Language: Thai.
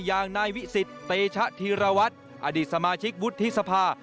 อย่างนายวิสิตเตชะธีรวัตรอดีตสมาชิกวุฒิสภา